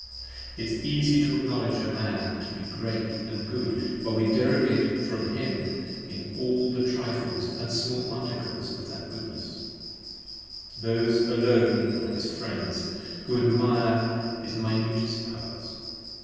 It is easy to acknowledge a man to be great & good while we Derogate from him in the trifles & small articles of that goodness: Those alone are his friends, who admire his minutest powers.